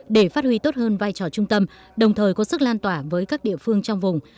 để phát huy tốt hơn vai trò trung tâm đồng thời có sức lan tỏa với các địa phương trong vùng